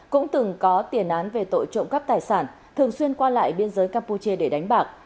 cũng từng có tiền án về tội trộm cắp tài sản thường xuyên qua lại biên giới campuchia để đánh bạc